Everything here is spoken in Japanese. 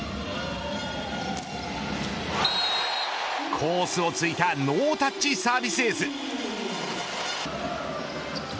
コースを突いたノータッチサービスエース。